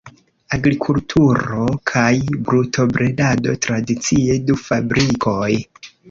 Agrikulturo kaj brutobredado tradicie, du fabrikoj.